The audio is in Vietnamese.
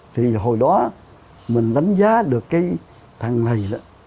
thì hồi đó mình đánh giá được cái thằng này đó